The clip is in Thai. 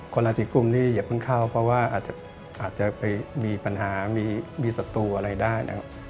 ราศีกุมนี่อย่าเพิ่งเข้าเพราะว่าอาจจะไปมีปัญหามีศัตรูอะไรได้นะครับ